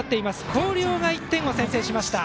広陵が１点を先制しました。